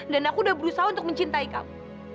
dan aku udah berusaha untuk mencintai kamu